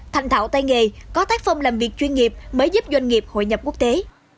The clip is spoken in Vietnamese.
thành thạo tay nghề có tác phong làm việc chuyên nghiệp mới giúp doanh nghiệp hội nhập quốc tế